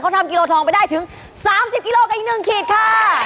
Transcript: เขาทำกิโลทองไปได้ถึง๓๐กิโลกรัมอีก๑ขีดค่ะ